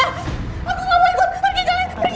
aku ngambek pergi jalan pergi